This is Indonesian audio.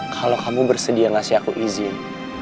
kalau kamu bersedia ngasih aku izin